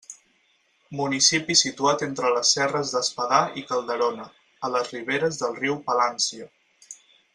Municipi situat entre les serres d'Espadà i Calderona, a les riberes del riu Palància.